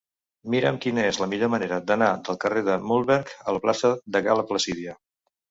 Mira'm quina és la millor manera d'anar del carrer de Mühlberg a la plaça de Gal·la Placídia.